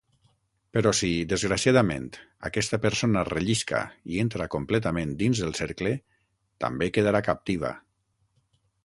Però si, desgraciadament, aquesta persona rellisca i entra completament dins el cercle també quedarà captiva.